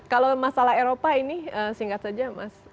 kalau masalah eropa ini singkat saja mas